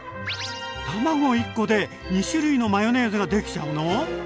卵１コで２種類のマヨネーズができちゃうの？